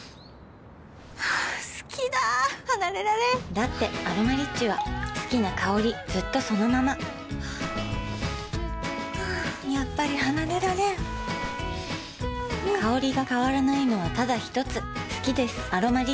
好きだ離れられんだって「アロマリッチ」は好きな香りずっとそのままやっぱり離れられん香りが変わらないのはただひとつ好きです「アロマリッチ」